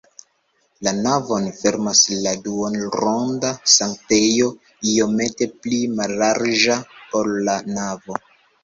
La navon fermas la duonronda sanktejo iomete pli mallarĝa, ol la navo.